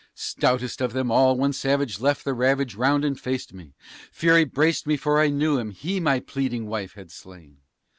Stoutest of them all, one savage left the ravage round and faced me; Fury braced me, for I knew him he my pleading wife had slain.